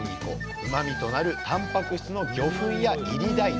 うまみとなるたんぱく質の魚粉やいり大豆。